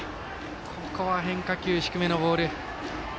ここは変化球、低めのボール。